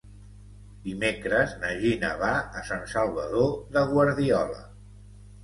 Dimecres na Gina va a Sant Salvador de Guardiola.